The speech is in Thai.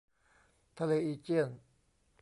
ทะเลอีเจียน